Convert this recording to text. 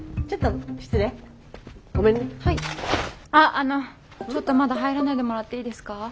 ちょっとまだ入らないでもらっていいですか？